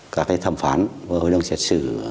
các thẩm phán và hội đồng xét xử